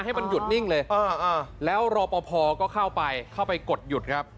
ให้มันหยุดนิ่งเลยแล้วรอปภก็เข้าไปเข้าไปกดหยุดครับ